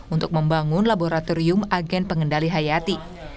untuk membangun laboratorium agen pengendali hayati